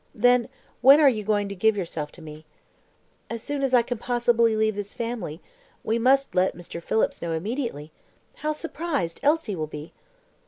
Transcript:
Then when are you going to give yourself to me?" "As soon as I can possibly leave this family. We must let Mr. Phillips know immediately. How surprised Elsie will be!"